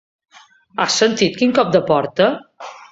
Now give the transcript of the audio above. Has sentit quin cop de porta?